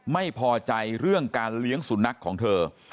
ไม่พอใจเรื่องการเลี้ยงสุนัขของเธอ